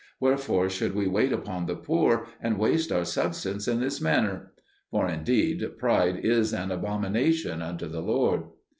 Wherefore should we wait upon the poor and waste our substance in this manner?'" For indeed pride is an abomination unto the Lord.